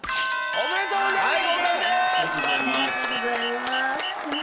ありがとうございます。